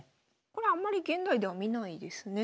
これあんまり現代では見ないですね。